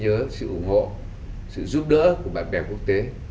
nhớ sự ủng hộ sự giúp đỡ của bạn bè quốc tế